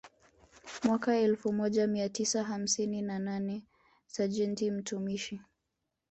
Mwaka elfu moja mia tisa hamsini na nane Sajenti mtumishi